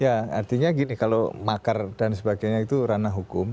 ya artinya gini kalau makar dan sebagainya itu ranah hukum